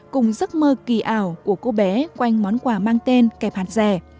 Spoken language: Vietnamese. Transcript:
cùng giấc mơ kỳ ảo của cô bé quanh món quà mang tên kẹp hạt rẻ